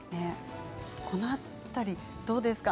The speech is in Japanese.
この辺りどうですか。